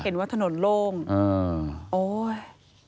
เห็นว่าถนนโล่งโอ๊ย